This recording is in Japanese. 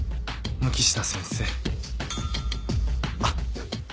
あっ。